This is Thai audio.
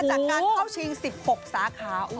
จากการเข้าชิง๑๖สาขา